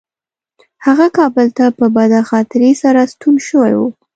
هغه کابل ته په بده خاطرې سره ستون شوی و.